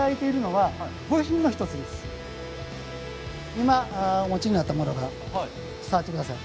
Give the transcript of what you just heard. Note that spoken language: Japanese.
今お持ちになったものが触って下さい。